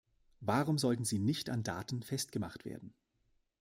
Warum sollten sie nicht an Daten festgemacht werden?